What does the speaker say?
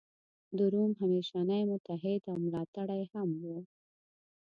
د روم همېشنی متحد او ملاتړی هم و.